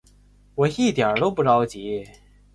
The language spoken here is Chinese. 我一点都不着急